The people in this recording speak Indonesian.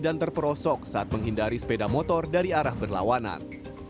dan terperosok saat menghindari sepeda motor dari arah berlawanan